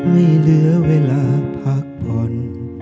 ไม่เหลือเวลาพักผ่อน